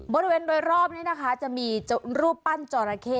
บริเวณโดยรอบนี้นะคะจะมีรูปปั้นจอราเข้